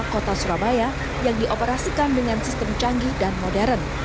pemakai ini dioperasikan dengan sistem canggih dan modern